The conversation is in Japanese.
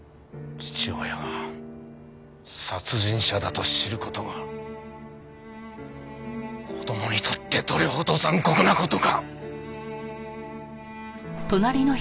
父親が殺人者だと知る事が子供にとってどれほど残酷な事か！